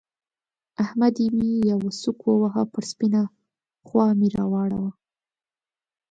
احمد مې يوه سوک وواهه؛ پر سپينه خوا مې را واړاوو.